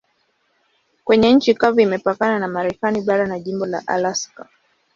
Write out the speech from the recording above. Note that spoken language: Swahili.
Kwenye nchi kavu imepakana na Marekani bara na jimbo la Alaska.